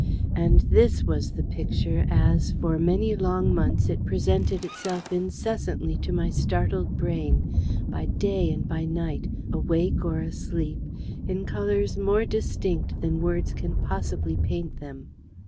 And this was the Picture as, for many long months, it presented itself incessantly to my startled brain, by day and by night, awake or asleep, in colours more distinct than words can possibly paint them.